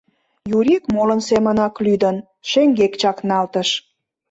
Юрик, молын семынак лӱдын, шеҥгек чакналтыш.